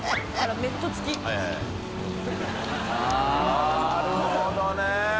あなるほどね。